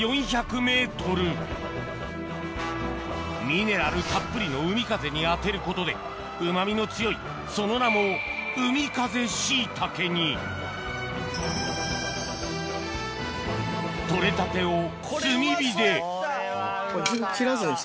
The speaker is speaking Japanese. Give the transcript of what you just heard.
ミネラルたっぷりの海風に当てることでうま味の強いその名も取れたてを炭火で切らずに。